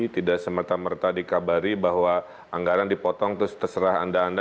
tidak semata merta dikabari bahwa anggaran dipotong terus terserah anda anda